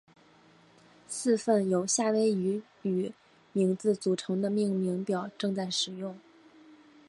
四份由夏威夷语名字组成的命名表正在使用。